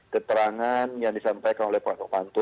keterangan yang disampaikan oleh pak tiong panto